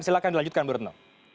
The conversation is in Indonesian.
silahkan dilanjutkan bu retno